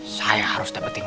saya harus dapetin dia